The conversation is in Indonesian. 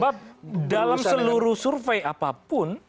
sebab dalam seluruh survei apapun